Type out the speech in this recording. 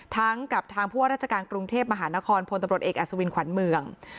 กับทางผู้ว่าราชการกรุงเทพมหานครพลตำรวจเอกอัศวินขวัญเมือง